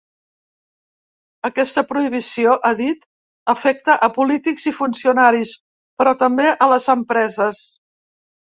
Aquesta prohibició, ha dit, afecta a polítics i funcionaris, però també a les empreses.